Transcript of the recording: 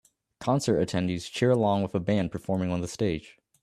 Concert attendees cheer along with a band performing on the stage